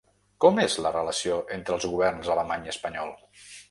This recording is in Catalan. Com és la relació entre els governs alemany i espanyol?